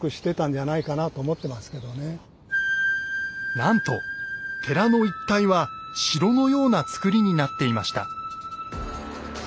なんと寺の一帯は城のような造りになっていました。